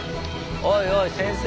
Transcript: おいおい先生。